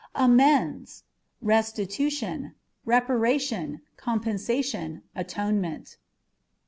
Amends â€" restitution, reparation, compensation, atonement.